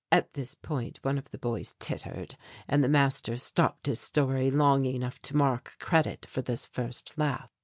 At this point one of the boys tittered, and the master stopped his story long enough to mark a credit for this first laugh.